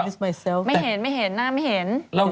ไม่เห็นไม่เห็นหน้าไม่เห็น